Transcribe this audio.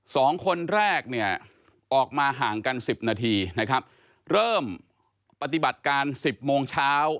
สองคนแรกเนี่ยออกมาห่างกันสิบนาทีนะครับเริ่มปฏิบัติการสิบโมงเช้า